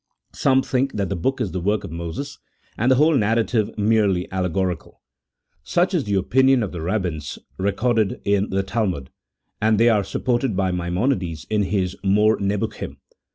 Some think that the book is the work of Moses, and the whole narrative m.erely allegorical. Such is the opinion of the Eabbins recorded in the Talmud, and they are supported by Maimonides in his " More Nebuchim."